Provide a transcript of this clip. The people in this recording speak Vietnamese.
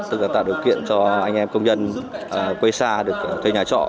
tự tạo điều kiện cho anh em công nhân quê xa được thuê nhà trọ